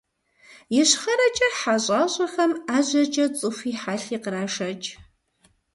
Ищхъэрэкӏэ хьэ щӏащӏэхэм ӏэжьэкӏэ цӏыхуи хьэлъи кърашэкӏ.